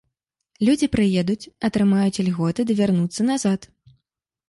Людзі прыедуць, атрымаюць ільготы ды вярнуцца назад.